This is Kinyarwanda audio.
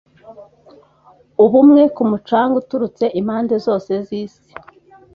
Ubumwe ku mucanga uturutse impande zose z'isi